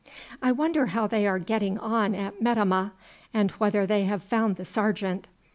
I wonder how they are getting on at Metemmeh, and whether they have found the sergeant.